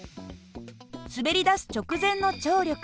滑りだす直前の張力